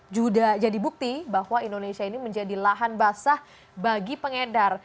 juga jadi bukti bahwa indonesia ini menjadi lahan basah bagi pengedar